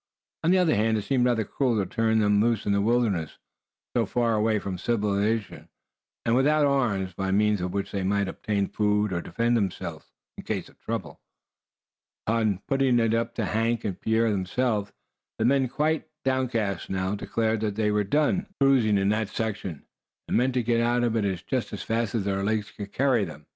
On the other hand, it seemed rather cruel to turn them loose in the wilderness, so far away from civilization, and without arms, by means of which they might obtain food, or defend themselves in case of trouble. Upon putting it up to Hank and Pierre themselves, the men, quite downcast now, declared that they were done "cruising" in that section, and meant to get out of it just as fast as their legs could carry them.